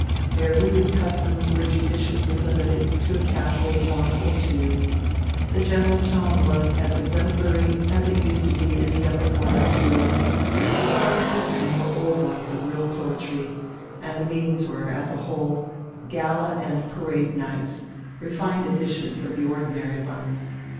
Their rude customs were judiciously limited to a casual one or two, the general tone was as exemplary as it used to be in the upper form at school, the songs they sang were old ones of real poetry, and the meetings were, as a whole, gala and parade nights, refined editions of the ordinary ones.